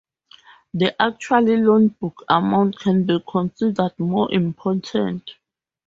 The actual loan book amount can be considered more important.